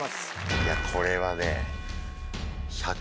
いやこれはね。